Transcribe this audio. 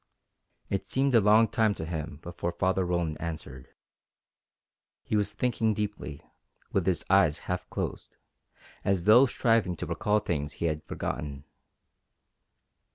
It seemed a long time to him before Father Roland answered. He was thinking deeply, with his eyes half closed, as though striving to recall things that he had forgotten.